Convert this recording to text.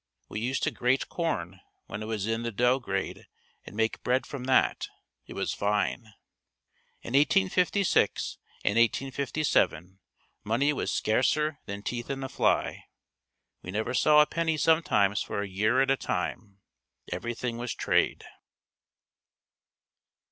We used to grate corn when it was in the dough grade and make bread from that. It was fine. In 1856 and 1857 money was scarcer than teeth in a fly. We never saw a penny sometimes for a year at a time. Everything was trade.